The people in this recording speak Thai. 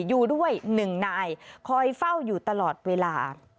อยู่ด้วย๑นายคอยเฝ้าอยู่ตลอดเวลา